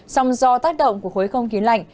xong do tác động của khối không khí lạnh